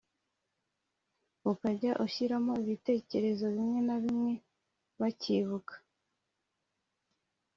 ukajya ushyiramo n’ibitekerezo bimwe na bimwe bacyibuka